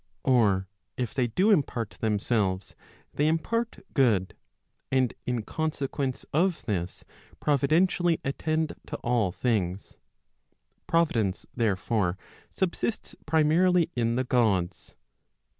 Or if they do impart them¬ selves, they impart good, and in consequence of this providentially attend to all things. Providence, therefore, subsists primarily in the Gods.